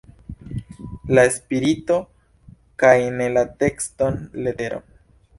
La spirito kaj ne la tekston letero!